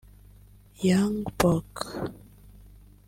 [Young] Buck